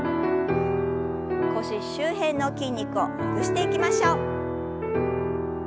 腰周辺の筋肉をほぐしていきましょう。